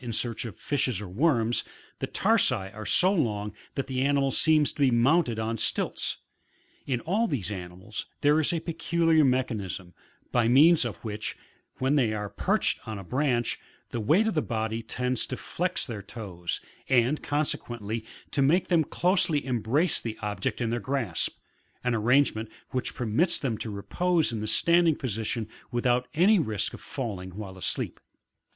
in search of fishes or worms, the tarsi are so long that the animal seems to be mounted on stilts. In all these animals there is a peculiar mech anism, by means of which, when they are perched upon a branch, the weight of the body tends to flex their toes, and consequently to make them closely embrace the object in their grasp ; an arrangement which permits them to repose in the standing posi tion without any risk of falling while asleep.